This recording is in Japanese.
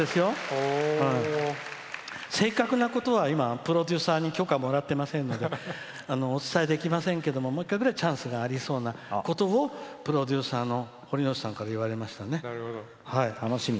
正確なことは今プロデューサーに許可をもらってませんのでお伝えできませんけどももう一回ぐらいチャンスがありそうなことをプロデューサーから言われましたね。